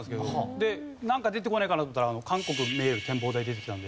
でなんか出てこねえかなと思ったら韓国見える展望台出てきたんで。